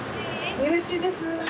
うれしいです。